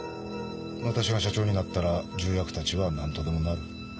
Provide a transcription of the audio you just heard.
私が社長になったら重役たちはなんとでもなる。